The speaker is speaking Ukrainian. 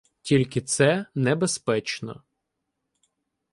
Тільки це небезпечно.